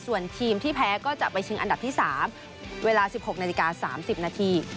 ส่วนทีมที่แพ้ก็จะไปชิงอันดับที่๓เวลา๑๖นาฬิกา๓๐นาที